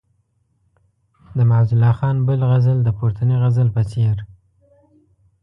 د معزالله خان بل غزل د پورتني غزل په څېر.